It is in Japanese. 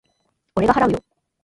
俺が払うよ。